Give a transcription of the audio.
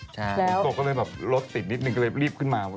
ตกก็เลยแบบรถติดนิดนึงรีบขึ้นมา